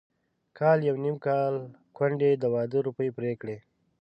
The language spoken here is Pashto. کال يو نيم کال کونډې د واده روپۍ پرې کړې.